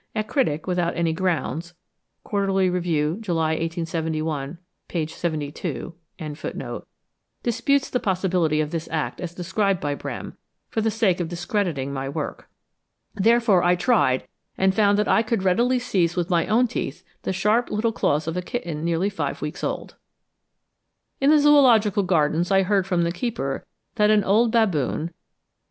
A critic, without any grounds ('Quarterly Review,' July 1871, p. 72), disputes the possibility of this act as described by Brehm, for the sake of discrediting my work. Therefore I tried, and found that I could readily seize with my own teeth the sharp little claws of a kitten nearly five weeks old.) In the Zoological Gardens, I heard from the keeper that an old baboon (C.